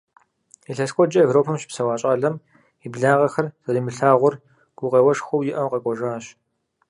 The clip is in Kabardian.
Илъэс куэдкӀэ Европэм щыпсэуа щӏалэм, и благъэхэр зэримылъагъур гукъеуэшхуэу иӀэу, къэкӀуэжащ.